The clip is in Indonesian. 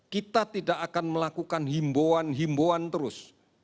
kita tidak akan melakukan himboan himboan terus